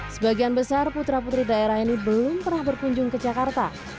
sebagian besar putra putri daerah ini belum pernah berkunjung ke jakarta